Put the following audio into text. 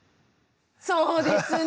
そうですね！